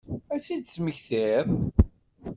Ad tt-id-temmektiḍ?